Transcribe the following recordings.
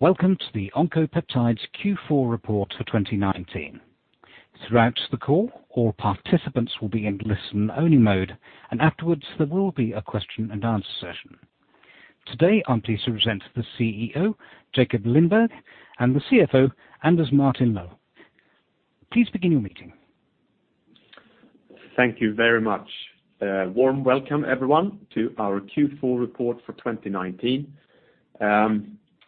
Welcome to the Oncopeptides Q4 Report for 2019. Throughout the call, all participants will be in listen-only mode, and afterwards, there will be a question-and-answer session. Today, I'm pleased to present the CEO, Jakob Lindberg, and the CFO, Anders Martin-Löf. Please begin your meeting. Thank you very much. Warm welcome everyone to our Q4 Report for 2019.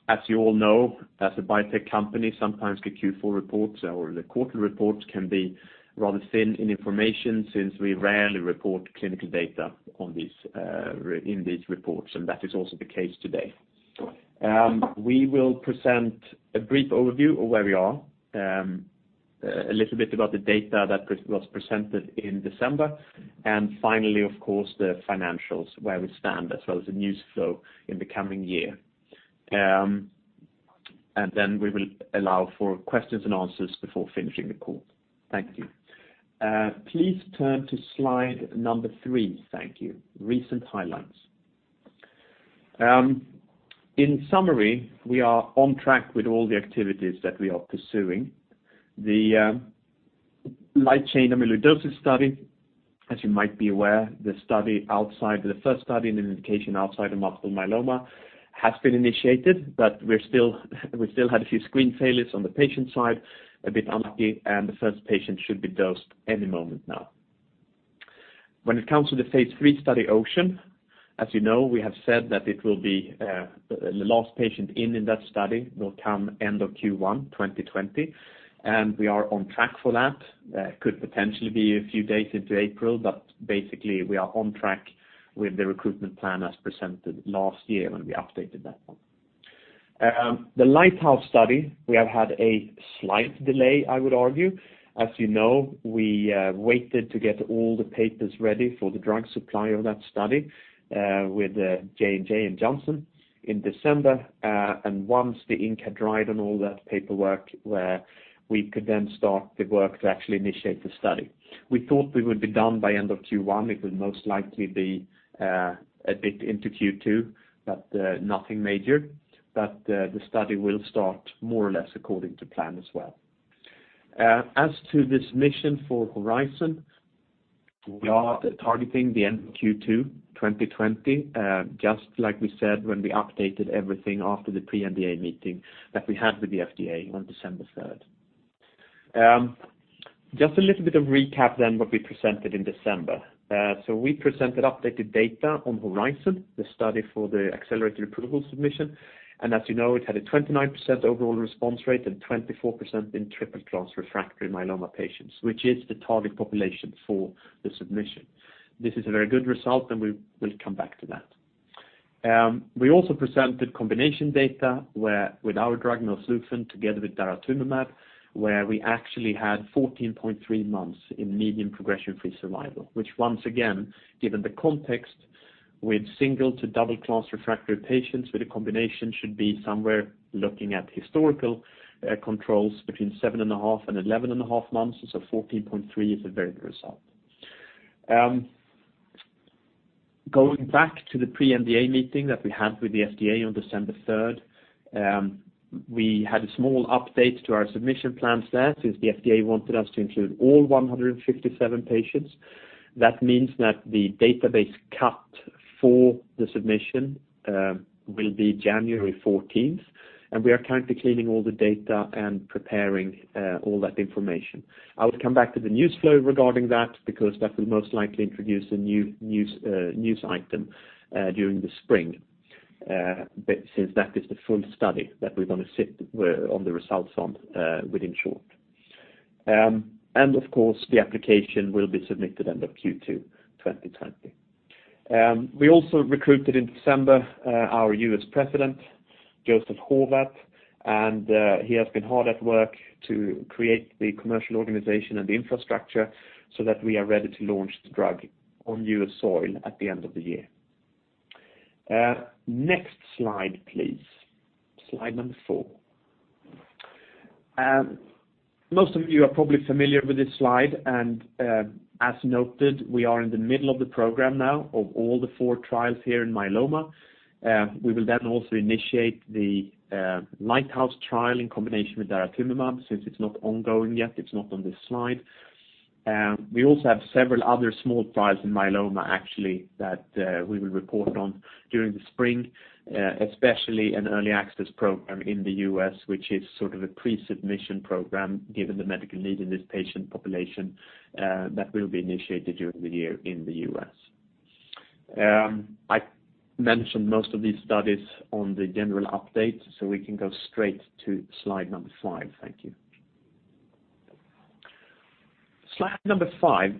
As you all know, as a biotech company, sometimes the Q4 reports or the quarterly reports can be rather thin in information since we rarely report clinical data in these reports, and that is also the case today. We will present a brief overview of where we are, a little bit about the data that was presented in December, and finally, of course, the financials, where we stand, as well as the news flow in the coming year. We will allow for questions and answers before finishing the call. Thank you. Please turn to slide number three. Thank you. Recent highlights. In summary, we are on track with all the activities that we are pursuing. The light chain amyloidosis study, as you might be aware, the first study in an indication outside of multiple myeloma has been initiated, but we've still had a few screen failures on the patient side, a bit unlucky, and the first patient should be dosed any moment now. When it comes to the phase III study, OCEAN, as you know, we have said that the last patient in in that study will come end of Q1 2020, and we are on track for that. Could potentially be a few days into April, but basically, we are on track with the recruitment plan as presented last year when we updated that one. The LIGHTHOUSE study, we have had a slight delay, I would argue. As you know, we waited to get all the papers ready for the drug supply of that study with J&J and Johnson in December. Once the ink had dried on all that paperwork, we could then start the work to actually initiate the study. We thought we would be done by end of Q1. It will most likely be a bit into Q2, but nothing major. The study will start more or less according to plan as well. As to the submission for HORIZON, we are targeting the end of Q2 2020, just like we said when we updated everything after the pre-NDA meeting that we had with the FDA on December 3rd. Just a little bit of recap then what we presented in December. We presented updated data on HORIZON, the study for the accelerated approval submission, and as you know, it had a 29% overall response rate and 24% in triple-class refractory myeloma patients, which is the target population for the submission. This is a very good result. We will come back to that. We also presented combination data with our drug melflufen together with daratumumab, where we actually had 14.3 months in median progression-free survival, which once again, given the context with single to double class refractory patients with a combination should be somewhere looking at historical controls between seven and a half and 11.5 Months. 14.3 is a very good result. Going back to the pre-NDA meeting that we had with the FDA on December 3rd, we had a small update to our submission plans there since the FDA wanted us to include all 157 patients. That means that the database cut for the submission will be January 14th. We are currently cleaning all the data and preparing all that information. I will come back to the news flow regarding that because that will most likely introduce a new news item during the spring since that is the full study that we're going to sit on the results on within short. Of course, the application will be submitted end of Q2 2020. We also recruited in December our U.S. President, Joseph Horvat, and he has been hard at work to create the commercial organization and the infrastructure so that we are ready to launch the drug on U.S. soil at the end of the year. Next slide, please. Slide number four. Most of you are probably familiar with this slide, as noted, we are in the middle of the program now of all the four trials here in myeloma. We will also initiate the LIGHTHOUSE trial in combination with daratumumab since it's not ongoing yet, it's not on this slide. We also have several other small trials in myeloma actually that we will report on during the spring, especially an early access program in the U.S., which is sort of a pre-submission program given the medical need in this patient population that will be initiated during the year in the U.S. I mentioned most of these studies on the general update, we can go straight to slide number five. Thank you. Slide number five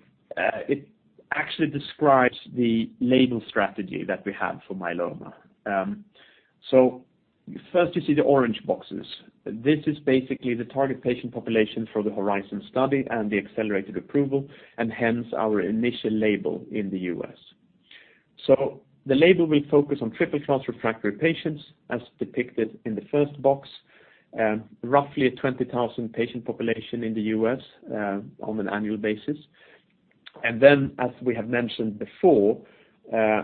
actually describes the label strategy that we have for myeloma. First you see the orange boxes. This is basically the target patient population for the HORIZON study and the accelerated approval, and hence our initial label in the U.S. The label will focus on triple-class refractory patients as depicted in the first box, roughly a 20,000 patient population in the U.S. on an annual basis. Then, as we have mentioned before,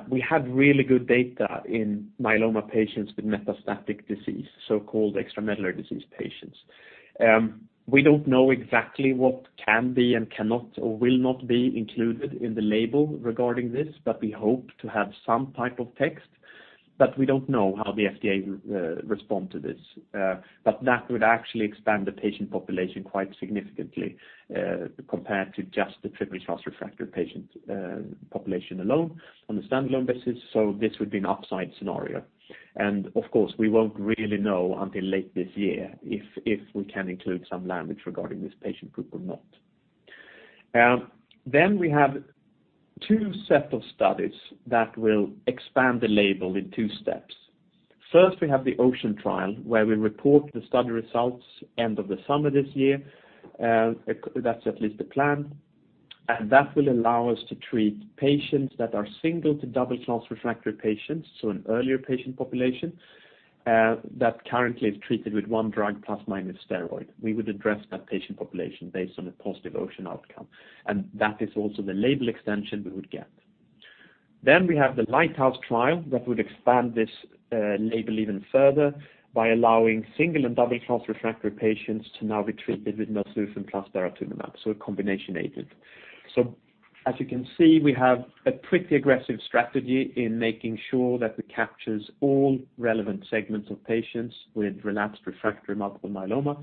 we have really good data in myeloma patients with metastatic disease, so-called extramedullary disease patients. We don't know exactly what can be and cannot or will not be included in the label regarding this, we hope to have some type of text. We don't know how the FDA will respond to this. That would actually expand the patient population quite significantly, compared to just the triple-class refractory patient population alone on a standalone basis. This would be an upside scenario. Of course, we won't really know until late this year if we can include some language regarding this patient group or not. We have two set of studies that will expand the label in two steps. We have the OCEAN trial, where we report the study results end of the summer this year. That's at least the plan. That will allow us to treat patients that are single to double-class refractory patients, so an earlier patient population, that currently is treated with one drug plus minus steroid. We would address that patient population based on a positive OCEAN outcome. That is also the label extension we would get. We have the LIGHTHOUSE trial that would expand this label even further by allowing single and double-class refractory patients to now be treated with melflufen plus daratumumab, so a combination agent. As you can see, we have a pretty aggressive strategy in making sure that we capture all relevant segments of patients with relapsed refractory multiple myeloma.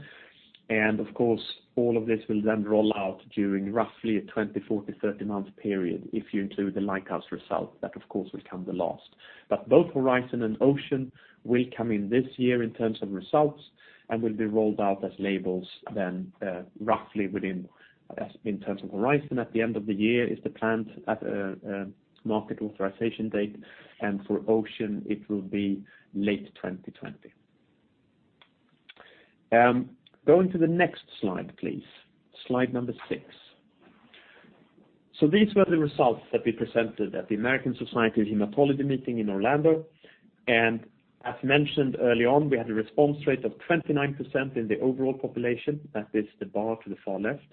Of course, all of this will then roll out during roughly a 24 to 30-month period if you include the LIGHTHOUSE result, that of course will come the last. Both HORIZON and OCEAN will come in this year in terms of results and will be rolled out as labels then roughly within, in terms of HORIZON, at the end of the year is the plan at market authorization date. For OCEAN, it will be late 2020. Going to the next slide, please. Slide number six. These were the results that we presented at the American Society of Hematology meeting in Orlando. As mentioned early on, we had a response rate of 29% in the overall population. That is the bar to the far left.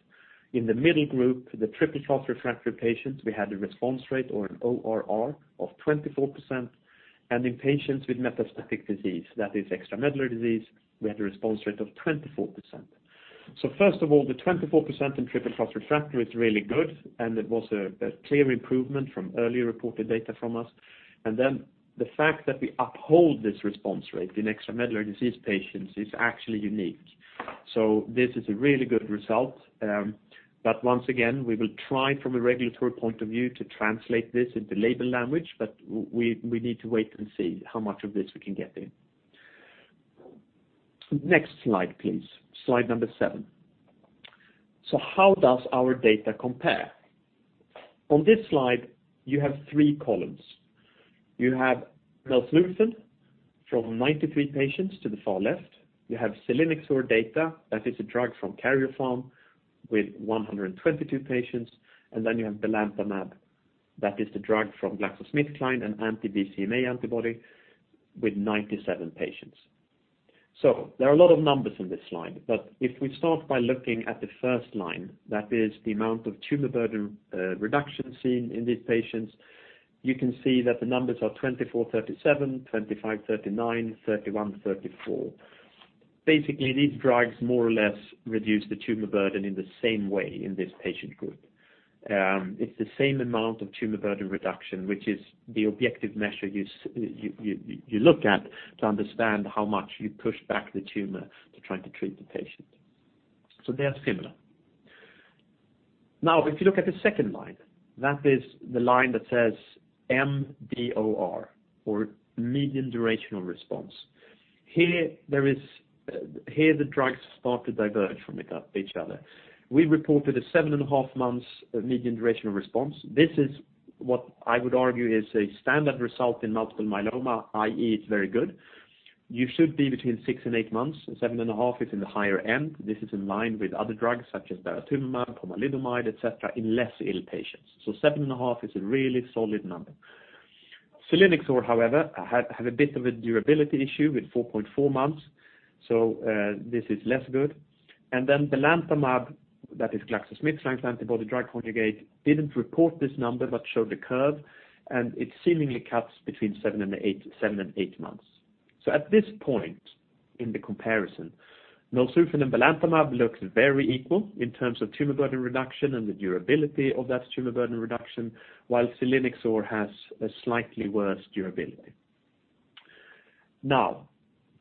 In the middle group, the triple-class refractory patients, we had a response rate or an ORR of 24%. In patients with metastatic disease, that is extramedullary disease, we had a response rate of 24%. First of all, the 24% in triple-class refractory is really good, and it was a clear improvement from earlier reported data from us. The fact that we uphold this response rate in extramedullary disease patients is actually unique. This is a really good result. Once again, we will try from a regulatory point of view to translate this into label language, but we need to wait and see how much of this we can get in. Next slide, please. Slide number seven. How does our data compare? On this slide, you have three columns. You have melflufen from 93 patients to the far left, you have selinexor data, that is a drug from Karyopharm, with 122 patients, and then you have belantamab, that is the drug from GlaxoSmithKline, an anti-BCMA antibody, with 97 patients. There are a lot of numbers in this slide. If we start by looking at the first line, that is the amount of tumor burden reduction seen in these patients, you can see that the numbers are 24/37, 25/39, 31/34. Basically, these drugs more or less reduce the tumor burden in the same way in this patient group. It's the same amount of tumor burden reduction, which is the objective measure you look at to understand how much you push back the tumor to try to treat the patient. They are similar. If you look at the second line, that is the line that says mDOR or median durational response. Here, the drugs start to diverge from each other. We reported a seven and a half months median durational response. This is what I would argue is a standard result in multiple myeloma, i.e., it's very good. You should be between six and eight months. 7.5 Is in the higher end. This is in line with other drugs such as daratumumab, pomalidomide, et cetera, in less ill patients. 7.5 Is a really solid number. Selinexor, however, have a bit of a durability issue with 4.4 months. Belantamab, that is GlaxoSmithKline's antibody-drug conjugate, didn't report this number but showed the curve, and it seemingly caps between 7 and 8 months. At this point in the comparison, melflufen and belantamab look very equal in terms of tumor burden reduction and the durability of that tumor burden reduction, while selinexor has a slightly worse durability.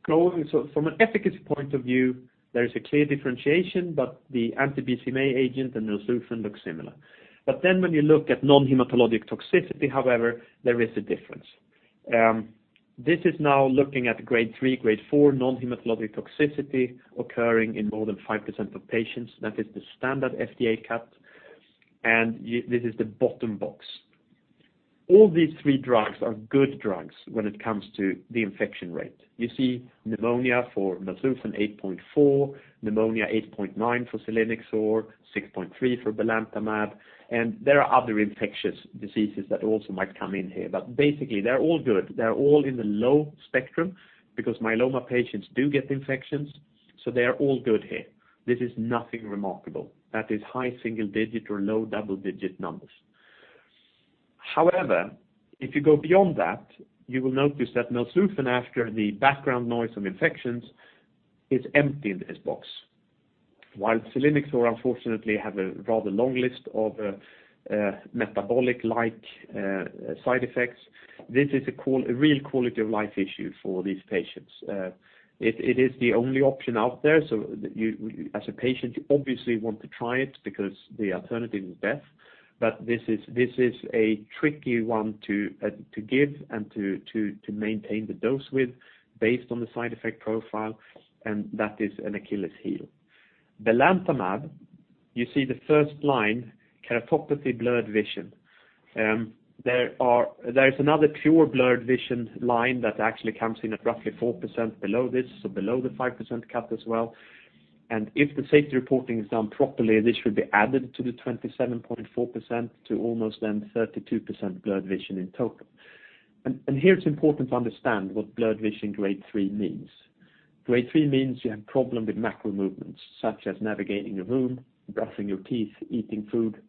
From an efficacy point of view, there is a clear differentiation, the anti-BCMA agent and melflufen look similar. When you look at non-hematologic toxicity, however, there is a difference. This is now looking at Grade 3, Grade 4 non-hematologic toxicity occurring in more than 5% of patients. That is the standard FDA cut, this is the bottom box. All these three drugs are good drugs when it comes to the infection rate. You see pneumonia for melflufen 8.4, pneumonia 8.9 for selinexor, 6.3 for belantamab. There are other infectious diseases that also might come in here. Basically, they're all good. They're all in the low spectrum because myeloma patients do get infections. They are all good here. This is nothing remarkable. That is high single-digit or low double-digit numbers. If you go beyond that, you will notice that melflufen after the background noise from infections is empty in this box. selinexor, unfortunately, have a rather long list of metabolic-like side effects. This is a real quality-of-life issue for these patients. It is the only option out there. As a patient, you obviously want to try it because the alternative is death. This is a tricky one to give and to maintain the dose with based on the side effect profile, and that is an Achilles heel. belantamab, you see the first line, keratopathy blurred vision. There is another pure blurred vision line that actually comes in at roughly 4% below this, so below the 5% cut as well. If the safety reporting is done properly, this should be added to the 27.4% to almost then 32% blurred vision in total. Here it's important to understand what blurred vision Grade 3 means. Grade 3 means you have problem with macro movements such as navigating a room, brushing your teeth, eating food.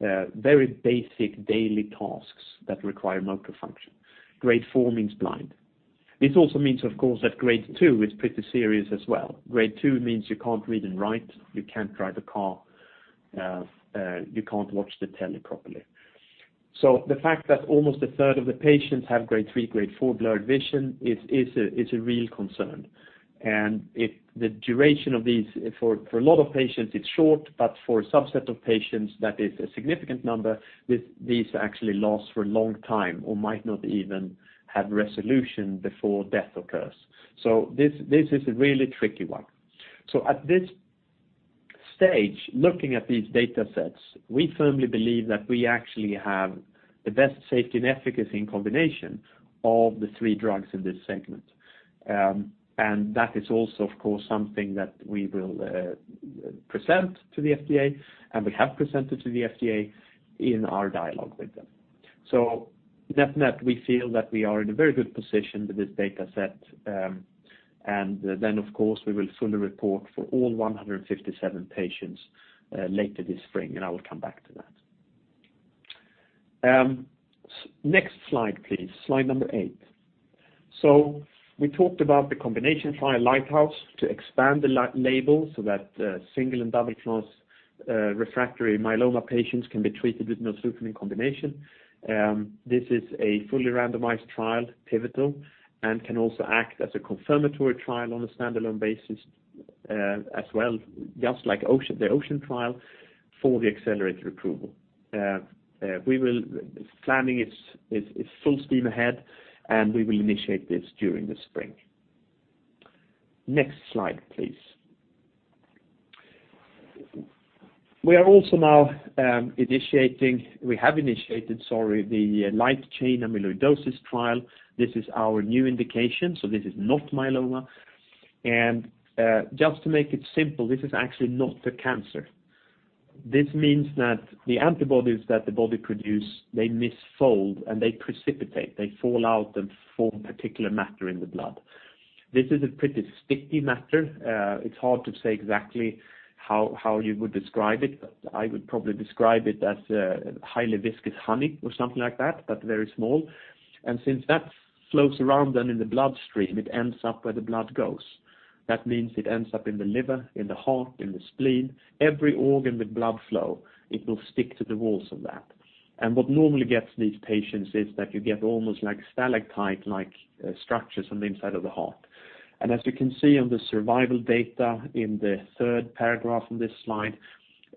Very basic daily tasks that require motor function. Grade 4 means blind. This also means, of course, that Grade 2 is pretty serious as well. Grade 2 means you can't read and write. You can't drive a car. You can't watch the telly properly. The fact that almost a third of the patients have Grade 3, Grade 4 blurred vision is a real concern. The duration of these, for a lot of patients, it's short, but for a subset of patients, that is a significant number, these actually last for a long time or might not even have resolution before death occurs. This is a really tricky one. At this stage, looking at these data sets, we firmly believe that we actually have the best safety and efficacy in combination of the three drugs in this segment. That is also, of course, something that we will present to the FDA, and we have presented to the FDA in our dialogue with them. Net, we feel that we are in a very good position with this data set. Then, of course, we will fully report for all 157 patients later this spring, and I will come back to that. Next slide, please. Slide number eight. We talked about the combination trial LIGHTHOUSE to expand the label so that single and double-class refractory myeloma patients can be treated with melflufen in combination. This is a fully randomized trial, pivotal, and can also act as a confirmatory trial on a standalone basis as well, just like the OCEAN trial for the accelerated approval. Planning is full steam ahead, and we will initiate this during the spring. Next slide, please. We have initiated the light chain amyloidosis trial. This is our new indication, so this is not myeloma. Just to make it simple, this is actually not a cancer. This means that the antibodies that the body produce, they misfold, and they precipitate. They fall out and form particular matter in the blood. This is a pretty sticky matter. It's hard to say exactly how you would describe it, but I would probably describe it as highly viscous honey or something like that, but very small. Since that flows around and in the bloodstream, it ends up where the blood goes. That means it ends up in the liver, in the heart, in the spleen. Every organ with blood flow, it will stick to the walls of that. What normally gets these patients is that you get almost stalactite-like structures on the inside of the heart. As you can see on the survival data in the third paragraph on this slide,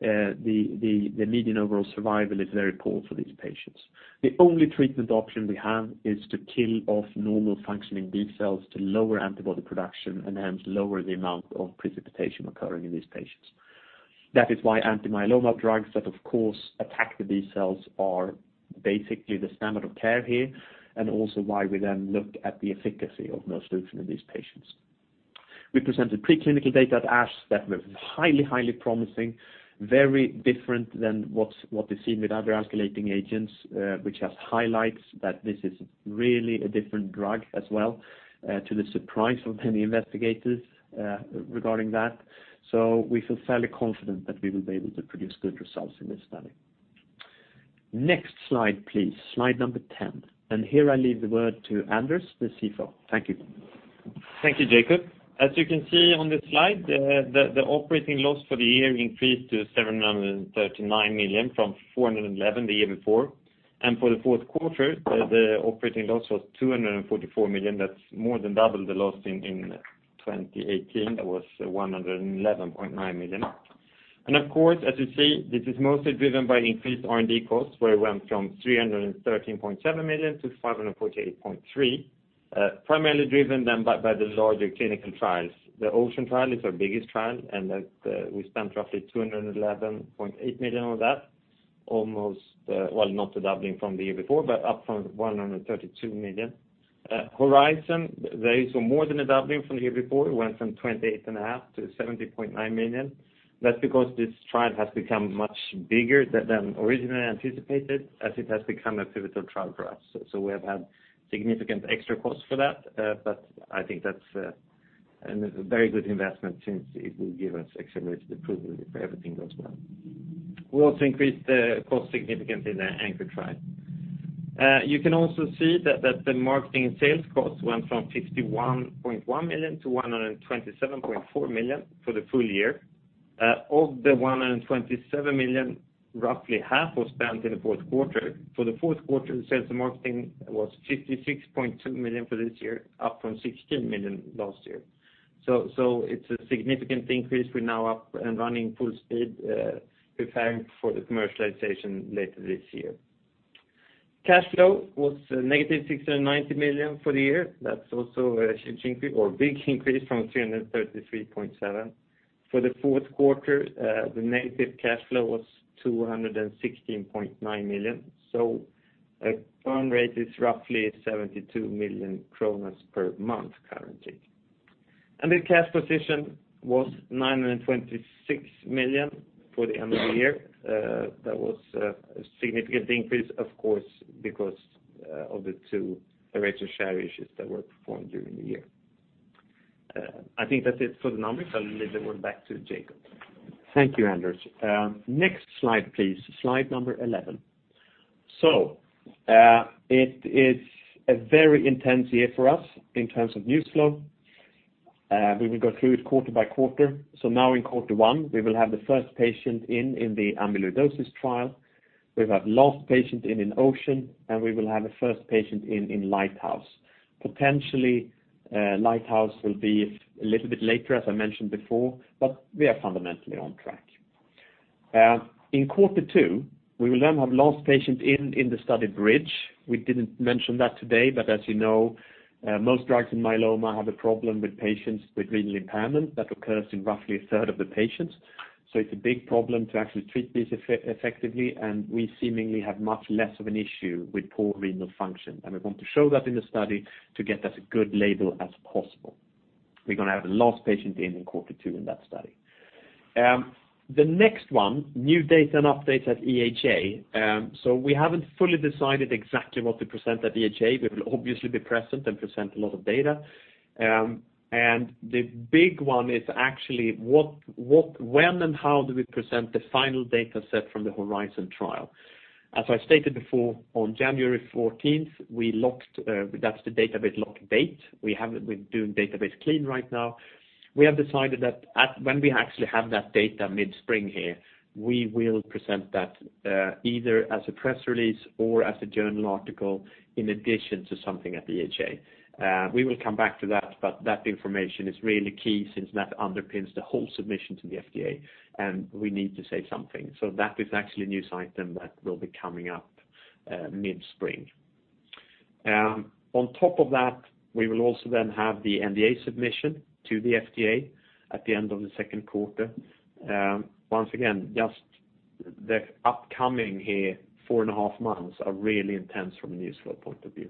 the median overall survival is very poor for these patients. The only treatment option we have is to kill off normal functioning B cells to lower antibody production and hence lower the amount of precipitation occurring in these patients. That is why anti-myeloma drugs that, of course, attack the B cells are basically the standard of care here, and also why we then look at the efficacy of melflufen in these patients. We presented preclinical data at ASH that were highly promising, very different than what is seen with other escalating agents, which has highlights that this is really a different drug as well, to the surprise of many investigators regarding that. We feel fairly confident that we will be able to produce good results in this study. Next slide, please. Slide number 10. Here I leave the word to Anders, the CFO. Thank you. Thank you, Jakob. As you can see on this slide, the operating loss for the year increased to 739 million from 411 million the year before. For the fourth quarter, the operating loss was 244 million. That's more than double the loss in 2018. That was 111.9 million. Of course, as you see, this is mostly driven by increased R&D costs, where it went from 313.7 million to 548.3 million, primarily driven then by the larger clinical trials. The OCEAN trial is our biggest trial, and we spent roughly 211.8 million on that. Well, not doubling from the year before, but up from 132 million. HORIZON, there is more than a doubling from the year before. It went from 28.5 million to 70.9 million. That's because this trial has become much bigger than originally anticipated as it has become a pivotal trial for us. We have had significant extra costs for that. It's a very good investment since it will give us accelerated approval if everything goes well. We also increased the cost significantly in the ANCHOR trial. You can also see that the marketing and sales costs went from 51.1 million to 127.4 million for the full year. Of the 127 million, roughly half was spent in the fourth quarter. For the fourth quarter, the sales and marketing was 56.2 million for this year, up from 16 million last year. It's a significant increase. We're now up and running full speed, preparing for the commercialization later this year. Cash flow was negative 690 million for the year. That's also a big increase from 333.7. For the fourth quarter, the negative cash flow was 216.9 million. Burn rate is roughly 72 million kronor per month currently. The cash position was 926 million for the end of the year. That was a significant increase, of course, because of the two rights or share issues that were performed during the year. I think that's it for the numbers. I'll leave it back to Jakob. Thank you, Anders Martin-Löf. Next slide, please. Slide number 11. It is a very intense year for us in terms of news flow. We will go through it quarter by quarter. Now in quarter one, we will have the first patient in the amyloidosis trial. We will have last patient in in OCEAN, and we will have a first patient in in LIGHTHOUSE. Potentially, LIGHTHOUSE will be a little bit later, as I mentioned before, but we are fundamentally on track. In quarter two, we will then have last patient in in the study BRIDGE. We didn't mention that today, but as you know, most drugs in myeloma have a problem with patients with renal impairment that occurs in roughly a third of the patients. It's a big problem to actually treat this effectively, and we seemingly have much less of an issue with poor renal function. We want to show that in the study to get that a good label as possible. We're going to have the last patient in in quarter two in that study. The next one, new data and updates at EHA. We haven't fully decided exactly what to present at EHA. We will obviously be present and present a lot of data. The big one is actually when and how do we present the final data set from the HORIZON trial. As I stated before, on January 14th, that's the database lock date. We're doing database clean right now. We have decided that when we actually have that data mid-spring here, we will present that either as a press release or as a journal article in addition to something at EHA. We will come back to that. That information is really key since that underpins the whole submission to the FDA. We need to say something. That is actually a news item that will be coming up mid-spring. On top of that, we will also then have the NDA submission to the FDA at the end of the second quarter. Once again, just the upcoming here, four and a half months are really intense from a news flow point of view.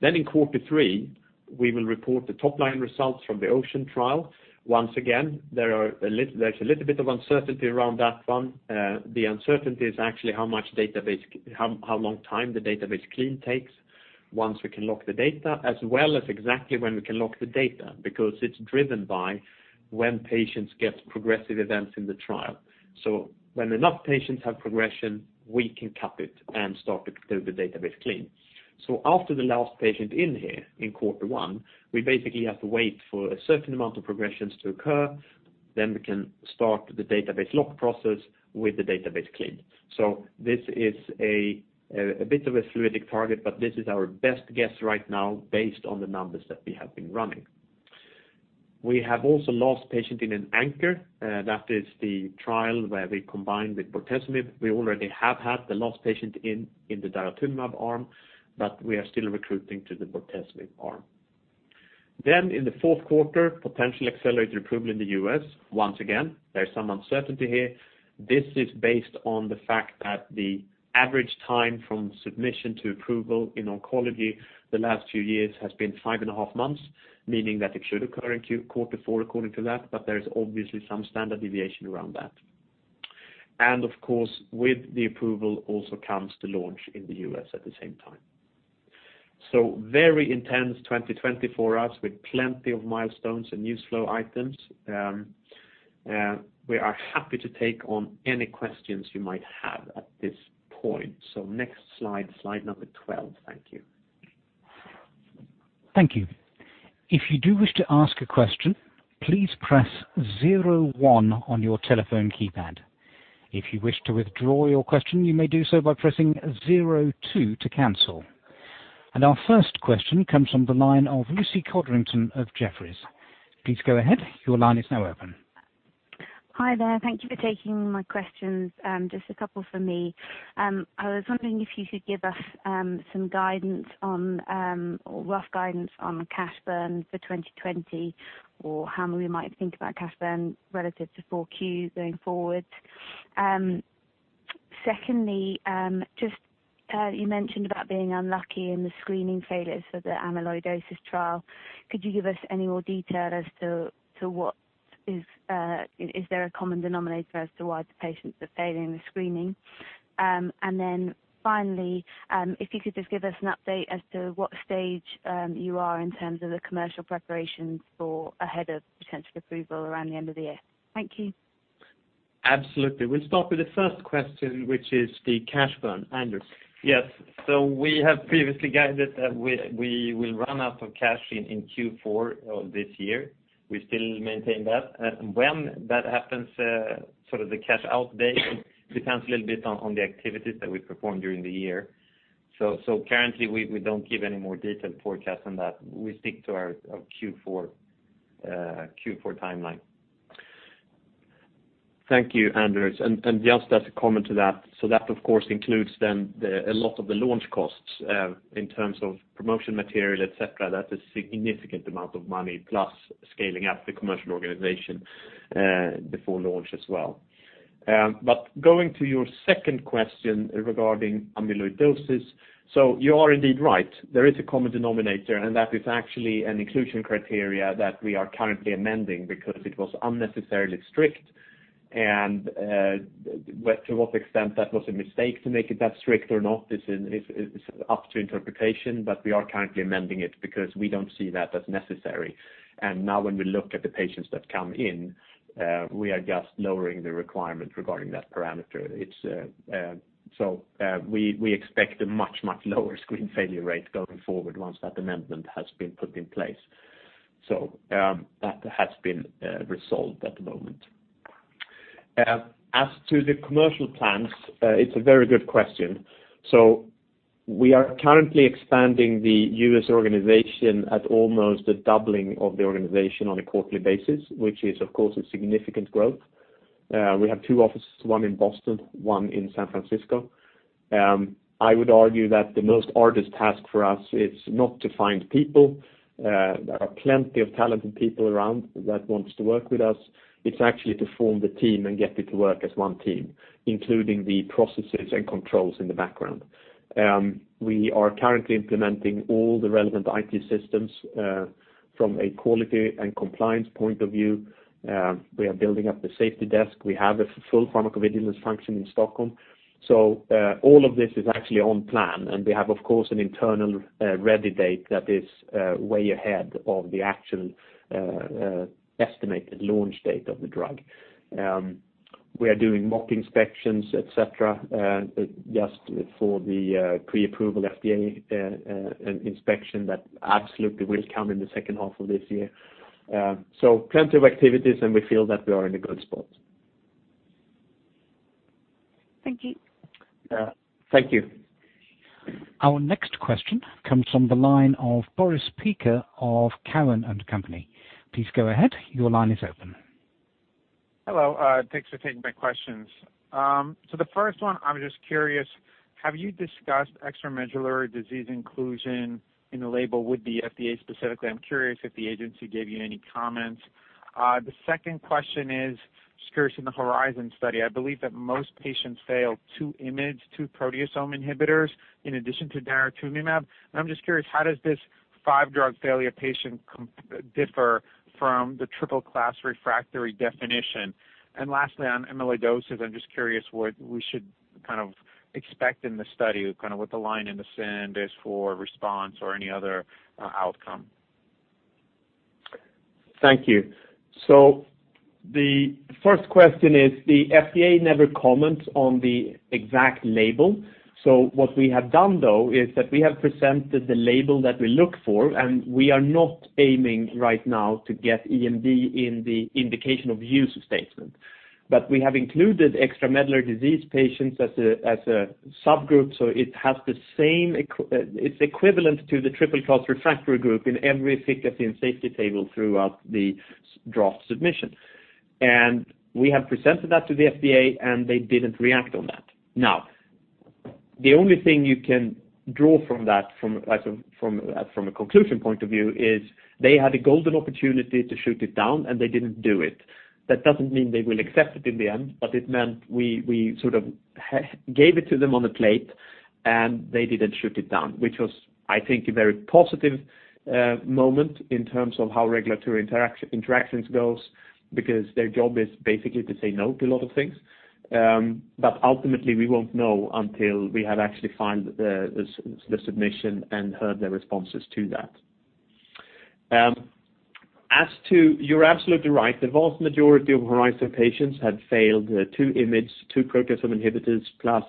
In quarter three, we will report the top-line results from the OCEAN trial. Once again, there's a little bit of uncertainty around that one. The uncertainty is actually how long time the database clean takes once we can lock the data, as well as exactly when we can lock the data, because it's driven by when patients get progressive events in the trial. When enough patients have progression, we can cap it and start the database clean. After the last patient in here in quarter one, we basically have to wait for a certain amount of progressions to occur, we can start the database lock process with the database clean. This is a bit of a fluidic target, but this is our best guess right now based on the numbers that we have been running. We have also last patient in in ANCHOR. That is the trial where we combined with bortezomib. We already have had the last patient in in the daratumumab arm, we are still recruiting to the bortezomib arm. In the fourth quarter, potential accelerated approval in the U.S. Once again, there's some uncertainty here. This is based on the fact that the average time from submission to approval in oncology the last few years has been five and a half months, meaning that it should occur in Q4 according to that. There is obviously some standard deviation around that. Of course, with the approval also comes the launch in the U.S. at the same time. Very intense 2024 for us with plenty of milestones and news flow items. We are happy to take on any questions you might have at this point. Next slide number 12. Thank you. Thank you. If you do wish to ask a question, please press zero one on your telephone keypad. If you wish to withdraw your question, you may do so by pressing zero two to cancel. Our first question comes from the line of Lucy Codrington of Jefferies. Please go ahead. Your line is now open. Hi there. Thank you for taking my questions. Just a couple for me. I was wondering if you could give us some rough guidance on cash burn for 2020 or how we might think about cash burn relative to 4Q going forward. Secondly, you mentioned about being unlucky in the screening failures for the amyloidosis trial. Could you give us any more detail as to what? Is there a common denominator as to why the patients are failing the screening? Finally, if you could just give us an update as to what stage you are in terms of the commercial preparations for ahead of potential approval around the end of the year. Thank you. Absolutely. We'll start with the first question, which is the cash burn. Anders? Yes. We have previously guided that we will run out of cash in Q4 of this year. We still maintain that. When that happens, sort of the cash out date depends a little bit on the activities that we perform during the year. Currently, we don't give any more detailed forecast on that. We stick to our Q4 timeline. Thank you, Anders. Just as a comment to that of course includes a lot of the launch costs in terms of promotion material, et cetera. That is significant amount of money plus scaling up the commercial organization before launch as well. Going to your second question regarding amyloidosis. You are indeed right. There is a common denominator, that is actually an inclusion criteria that we are currently amending because it was unnecessarily strict. To what extent that was a mistake to make it that strict or not is up to interpretation. We are currently amending it because we don't see that as necessary. Now when we look at the patients that come in, we are just lowering the requirement regarding that parameter. We expect a much, much lower screen failure rate going forward once that amendment has been put in place. That has been resolved at the moment. As to the commercial plans, it's a very good question. We are currently expanding the U.S. organization at almost a doubling of the organization on a quarterly basis, which is of course, a significant growth. We have two offices, one in Boston, one in San Francisco. I would argue that the most hardest task for us is not to find people. There are plenty of talented people around that wants to work with us. It's actually to form the team and get it to work as one team, including the processes and controls in the background. We are currently implementing all the relevant IT systems from a quality and compliance point of view. We are building up the safety desk. We have a full pharmacovigilance function in Stockholm. All of this is actually on plan, and we have, of course, an internal ready date that is way ahead of the actual estimated launch date of the drug. We are doing mock inspections, et cetera, just for the pre-approval FDA inspection that absolutely will come in the second half of this year. Plenty of activities, and we feel that we are in a good spot. Thank you. Thank you. Our next question comes from the line of Boris Peaker of Cowen and Company. Please go ahead. Your line is open. Hello. Thanks for taking my questions. The first one, I'm just curious, have you discussed extramedullary disease inclusion in the label with the FDA specifically? I'm curious if the agency gave you any comments. The second question is just curious in the HORIZON study, I believe that most patients failed two IMiD, two proteasome inhibitors in addition to daratumumab. I'm just curious, how does this 5-drug failure patient differ from the triple-class refractory definition? Lastly, on amyloidosis, I'm just curious what we should kind of expect in the study, kind of what the line in the sand is for response or any other outcome. Thank you. The first question is, the FDA never comments on the exact label. What we have done though is that we have presented the label that we look for, and we are not aiming right now to get EMD in the indication of use statement. We have included extramedullary disease patients as a subgroup, so it's equivalent to the triple-class refractory group in every efficacy and safety table throughout the draft submission. We have presented that to the FDA, and they didn't react on that. Now, the only thing you can draw from that from a conclusion point of view is they had a golden opportunity to shoot it down, and they didn't do it. That doesn't mean they will accept it in the end, but it meant we sort of gave it to them on a plate, and they didn't shoot it down, which was, I think, a very positive moment in terms of how regulatory interactions goes because their job is basically to say no to a lot of things. Ultimately, we won't know until we have actually filed the submission and heard their responses to that. You're absolutely right. The vast majority of HORIZON patients had failed two IMiD, two proteasome inhibitors plus,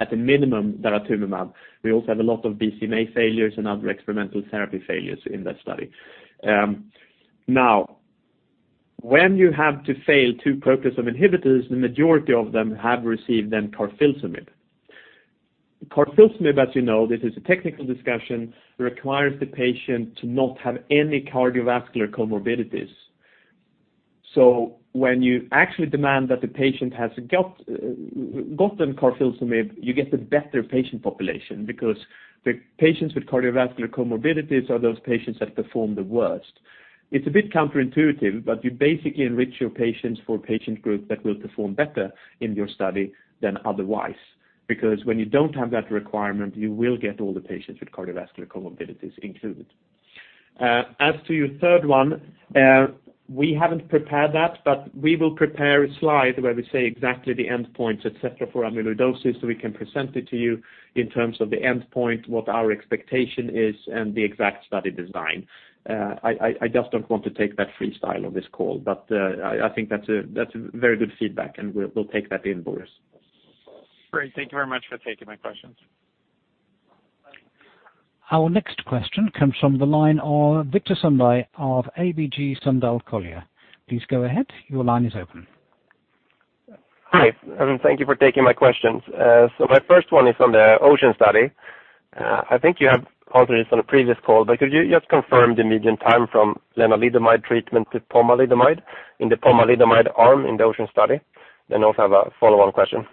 at a minimum, daratumumab. We also have a lot of BCMA failures and other experimental therapy failures in that study. Now, when you have to fail two proteasome inhibitors, the majority of them have received then carfilzomib. Carfilzomib, as you know, this is a technical discussion, requires the patient to not have any cardiovascular comorbidities. When you actually demand that the patient has gotten carfilzomib, you get the better patient population because the patients with cardiovascular comorbidities are those patients that perform the worst. It's a bit counterintuitive, you basically enrich your patients for a patient group that will perform better in your study than otherwise. When you don't have that requirement, you will get all the patients with cardiovascular comorbidities included. As to your third one, we haven't prepared that, but we will prepare a slide where we say exactly the endpoints, et cetera, for amyloidosis, so we can present it to you in terms of the endpoint, what our expectation is, and the exact study design. I just don't want to take that freestyle on this call. I think that's very good feedback, and we'll take that in, Boris. Great. Thank you very much for taking my questions. Our next question comes from the line of Viktor Sundberg of ABG Sundal Collier. Please go ahead. Your line is open. Hi, thank you for taking my questions. My first one is on the OCEAN study. I think you have answered this on a previous call, could you just confirm the median time from lenalidomide treatment to pomalidomide in the pomalidomide arm in the OCEAN study? Also I have a follow-on question.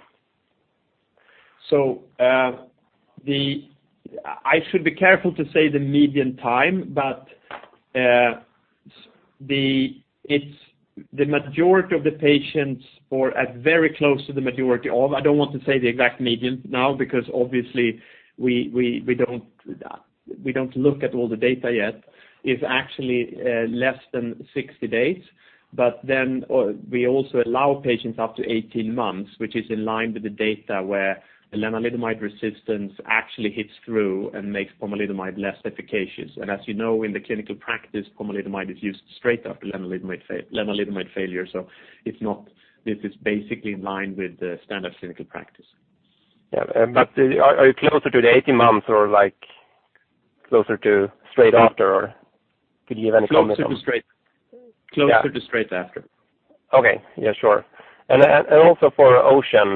I should be careful to say the median time, but the majority of the patients or at very close to the majority of, I don't want to say the exact median now, because obviously we don't look at all the data yet, is actually less than 60 days. We also allow patients up to 18 months, which is in line with the data where the lenalidomide resistance actually hits through and makes pomalidomide less efficacious. As you know, in the clinical practice, pomalidomide is used straight after lenalidomide failure. This is basically in line with the standard clinical practice. Yeah. Are you closer to the 18 months or closer to straight after? Could you give any comment on? Closer to straight after. Okay. Yeah, sure. Also for OCEAN,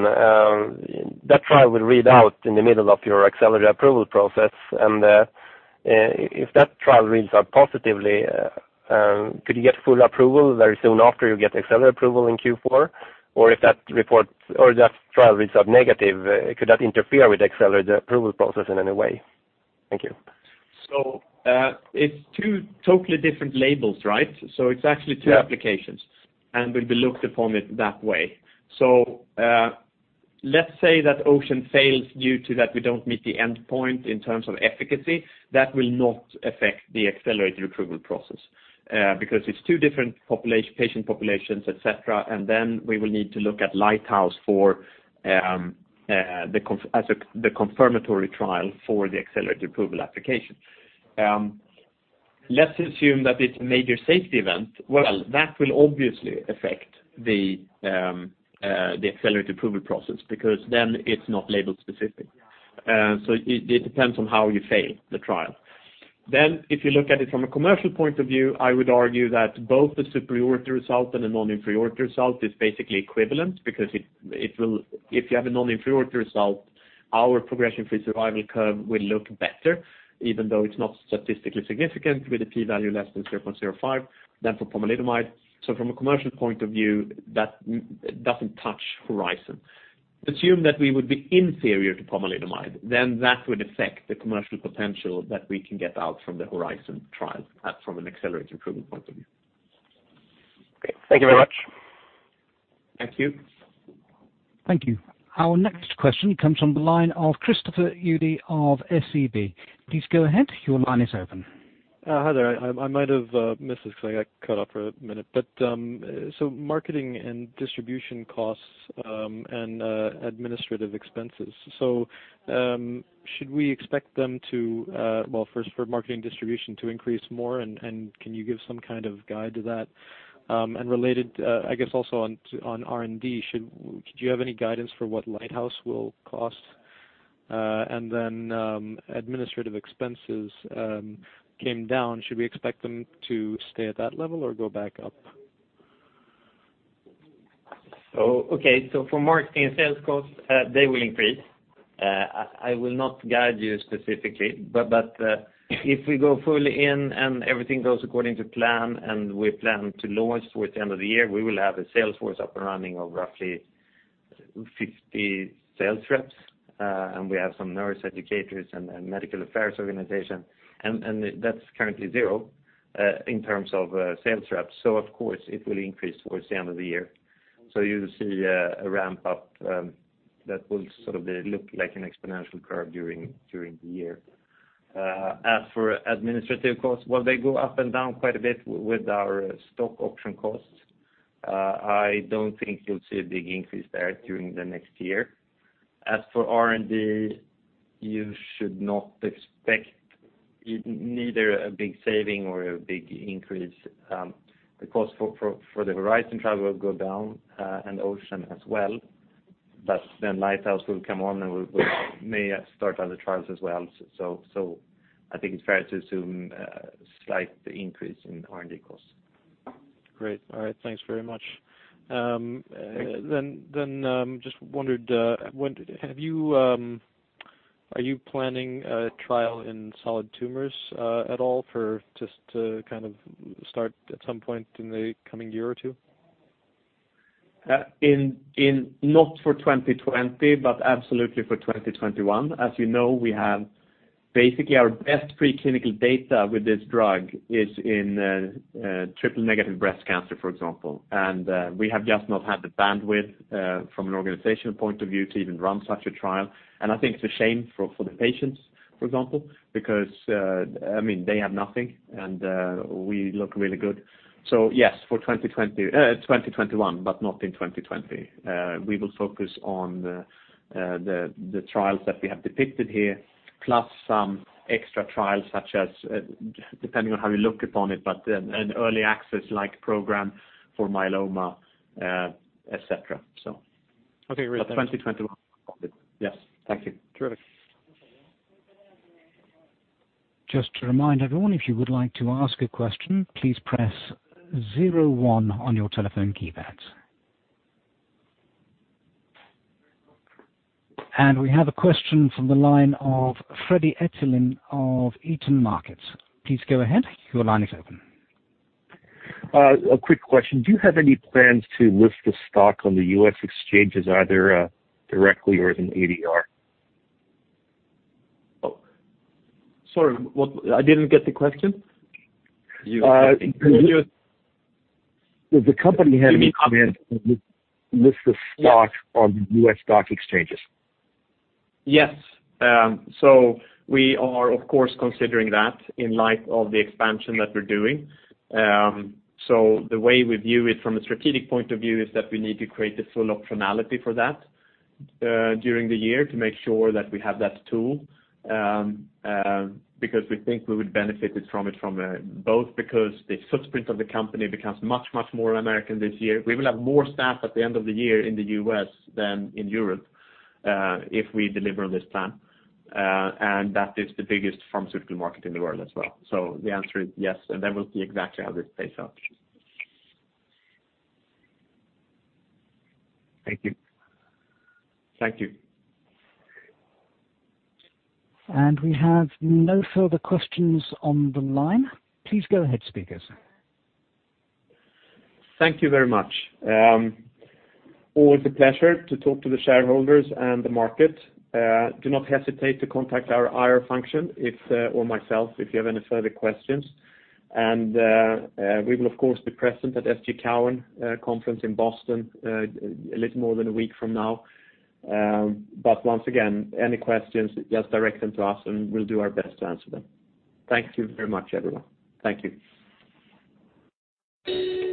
that trial will read out in the middle of your accelerated approval process. If that trial reads out positively, could you get full approval very soon after you get accelerated approval in Q4? If that trial reads out negative, could that interfere with the accelerated approval process in any way? Thank you. It's two totally different labels, right? It's actually two applications, and will be looked upon it that way. Let's say that OCEAN fails due to that we don't meet the endpoint in terms of efficacy. That will not affect the accelerated approval process, because it's two different patient populations, et cetera. Then we will need to look at LIGHTHOUSE as the confirmatory trial for the accelerated approval application. Let's assume that it's major safety event. That will obviously affect the accelerated approval process because then it's not label-specific. It depends on how you fail the trial. If you look at it from a commercial point of view, I would argue that both the superiority result and the non-inferiority result is basically equivalent because if you have a non-inferiority result, our progression-free survival curve will look better, even though it's not statistically significant with a P value less than 0.05 than for pomalidomide. From a commercial point of view, that doesn't touch HORIZON. Assume that we would be inferior to pomalidomide, then that would affect the commercial potential that we can get out from the HORIZON trial from an accelerated approval point of view. Okay. Thank you very much. Thank you. Thank you. Our next question comes from the line of Christopher Uhde of SEB. Please go ahead. Your line is open. Hi there. I might have missed this because I got cut off for a minute. Marketing and distribution costs and administrative expenses. Should we expect them to, well, first for marketing distribution to increase more, and can you give some kind of guide to that? Related, I guess also on R&D, do you have any guidance for what LIGHTHOUSE will cost? Administrative expenses came down. Should we expect them to stay at that level or go back up? Okay. For marketing and sales costs, they will increase. I will not guide you specifically, but if we go fully in and everything goes according to plan and we plan to launch towards the end of the year, we will have a sales force up and running of roughly 50 sales reps. We have some nurse educators and medical affairs organization. That's currently zero in terms of sales reps. Of course, it will increase towards the end of the year. You'll see a ramp up that will sort of look like an exponential curve during the year. As for administrative costs, well, they go up and down quite a bit with our stock option costs. I don't think you'll see a big increase there during the next year. As for R&D, you should not expect neither a big saving or a big increase. The cost for the HORIZON trial will go down and OCEAN as well. Lighthouse will come on and we may start other trials as well. I think it's fair to assume a slight increase in R&D costs. Great. All right. Thanks very much. Thank you. Just wondered, are you planning a trial in solid tumors at all just to kind of start at some point in the coming year or two? Not for 2020, but absolutely for 2021. As you know, we have. Basically, our best preclinical data with this drug is in triple-negative breast cancer, for example. We have just not had the bandwidth from an organizational point of view to even run such a trial. I think it's a shame for the patients, for example, because they have nothing, and we look really good. Yes, for 2021, but not in 2020. We will focus on the trials that we have depicted here, plus some extra trials such as, depending on how you look upon it, but an early access like program for myeloma, et cetera. Okay, great. 2021. Yes. Thank you. Terrific. Just to remind everyone, if you would like to ask a question, please press zero one on your telephone keypads. We have a question from the line of Fredrik Eklind of Redeye. Please go ahead. Your line is open. A quick question. Do you have any plans to list the stock on the U.S. Exchanges either directly or as an ADR? Sorry, I didn't get the question. Does the company have any plans to list the stock on U.S. Stock Exchanges? Yes. We are, of course, considering that in light of the expansion that we're doing. The way we view it from a strategic point of view is that we need to create the full optionality for that during the year to make sure that we have that tool, because we think we would benefit from it because the footprint of the company becomes much more American this year. We will have more staff at the end of the year in the U.S. than in Europe, if we deliver on this plan, and that is the biggest pharmaceutical market in the world as well. The answer is yes, and that will be exactly how this plays out. Thank you. Thank you. We have no further questions on the line. Please go ahead, speakers. Thank you very much. Always a pleasure to talk to the shareholders and the market. Do not hesitate to contact our IR function or myself, if you have any further questions. We will, of course, be present at SG Cowen Conference in Boston a little more than a week from now. Once again, any questions, just direct them to us and we'll do our best to answer them. Thank you very much, everyone. Thank you.